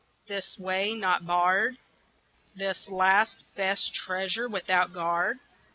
this way not barred? This last best treasure without guard?